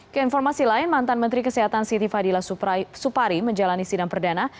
keinformasi lain mantan menteri kesehatan siti fadila supari menjalani sidang perdana